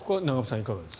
いかがですか？